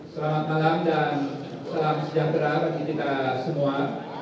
selamat malam dan salam sejahtera bagi kita semua